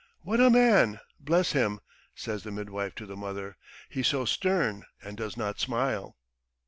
"What a man, bless him!" says the midwife to the mother. "He's so stern and does not smile."